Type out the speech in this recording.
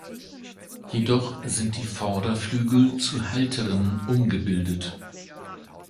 Jedoch sind die Vorderflügel zu Halteren umgebildet.